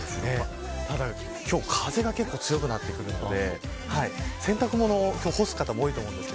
ただ今日風が結構強くなってくるので洗濯物を干す方も多いと思います。